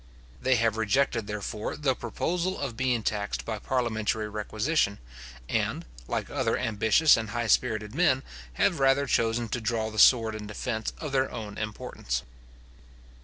They have rejected, therefore, the proposal of being taxed by parliamentary requisition, and, like other ambitious and high spirited men, have rather chosen to draw the sword in defence of their own importance.